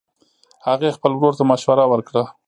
هغې خپل ورور ته مشوره ورکړه